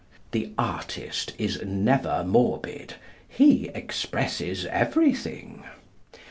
The artist is never morbid. He expresses everything.